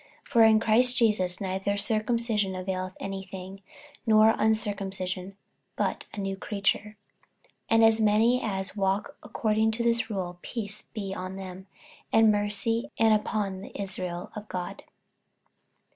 48:006:015 For in Christ Jesus neither circumcision availeth any thing, nor uncircumcision, but a new creature. 48:006:016 And as many as walk according to this rule, peace be on them, and mercy, and upon the Israel of God.